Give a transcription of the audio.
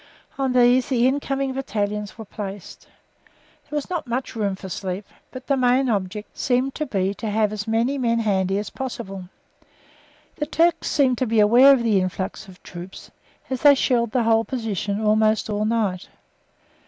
On these the incoming battalions were placed. There was not much room for sleep, but the main object seemed to be to have as many men handy as possible. The Turks seemed to be aware of the influx of troops, as they shelled the whole position almost all night.